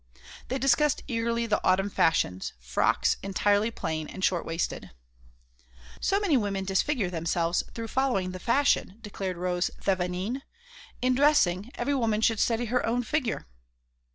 They discussed eagerly the autumn fashions, frocks entirely plain and short waisted. "So many women disfigure themselves through following the fashion!" declared Rose Thévenin. "In dressing every woman should study her own figure."